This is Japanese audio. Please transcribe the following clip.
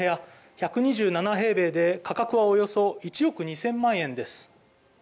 １２７平米で、価格はおよそ１億２０００万円です。